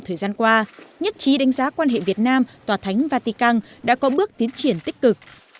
thời gian qua nhất trí đánh giá quan hệ việt nam tòa thánh vatican đã có bước tiến triển tích cực